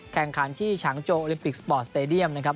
แข่งขันที่ฉางโจโอลิมปิกสปอร์ตสเตดียมนะครับ